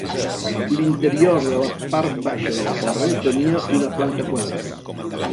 L'interior de la part baixa de la torre tenia una planta quadrada.